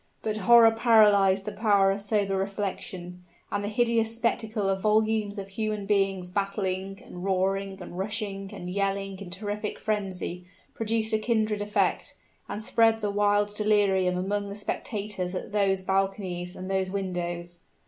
But horror paralyzed the power of sober reflection, and the hideous spectacle of volumes of human beings battling, and roaring, and rushing, and yelling in terrific frenzy, produced a kindred effect, and spread the wild delirium among the spectators at those balconies and those windows.